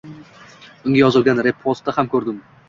— Unga yozilgan repostni ham koʻrdim.